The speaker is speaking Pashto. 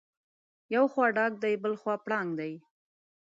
یو خوا ډاګ دی بلخوا پړانګ دی.